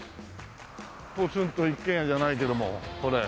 『ポツンと一軒家』じゃないけどもこれ。